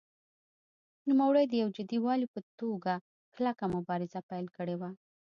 نوموړي د یو جدي والي په توګه کلکه مبارزه پیل کړې وه.